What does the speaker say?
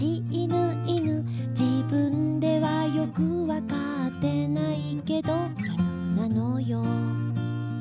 「自分ではよくわかってないけど」「犬なのよ」